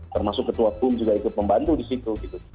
termasuk ketua boom juga ikut membantu di situ gitu